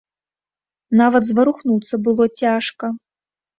Нават зварухнуцца было цяжка.